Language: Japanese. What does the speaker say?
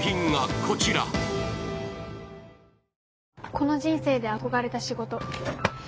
この人生で憧れた仕事。